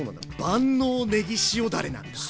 万能ねぎ塩だれなんだ！